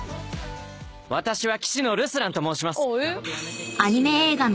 「私は騎士のルスランと申します」